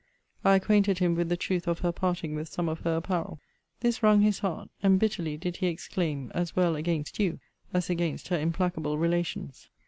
I acquainted him with the truth of her parting with some of her apparel. This wrung his heart; and bitterly did he exclaim as well against you as against her implacable relations.